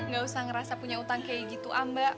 gak usah ngerasa punya utang kayak gitu mbak